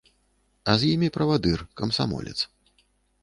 А з імі павадыр, камсамолец.